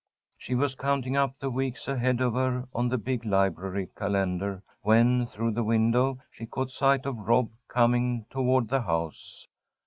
She was counting up the weeks ahead of her on the big library calendar, when, through the window, she caught sight of Rob coming toward the house.